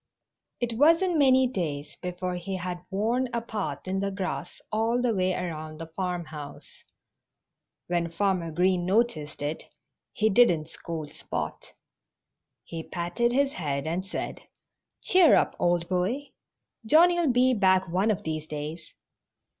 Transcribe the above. It wasn't many days before he had worn a path in the grass all the way around the farmhouse. When Farmer Green noticed it he didn't scold Spot. He patted his head and said, "Cheer up, old boy! Johnnie'll be back one of these days."